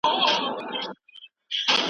د ورزش منظم کول د بدن لپاره مهم دي.